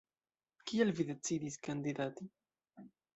Kial vi decidis kandidati?